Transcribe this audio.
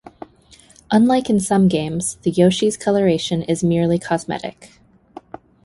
Unlike in some games, the Yoshi's coloration is merely cosmetic.